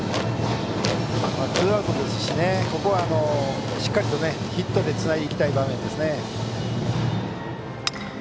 ツーアウトですしここはしっかりとヒットでつなぎたい場面ですね。